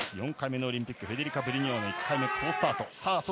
４回目のオリンピックフェデリカ・ブリニョネは１回目、好スタート。